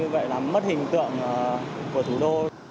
vậy là mất hình tượng của thủ đô